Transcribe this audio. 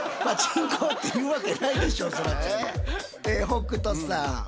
北斗さん。